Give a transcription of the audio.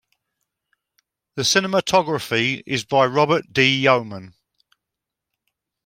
The cinematography is by Robert D. Yeoman.